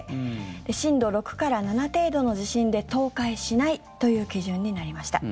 震度６から７程度の地震で倒壊しないという基準になりました。